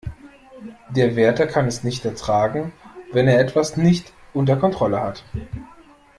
Der Wärter kann es nicht ertragen, wenn er etwas nicht unter Kontrolle hat.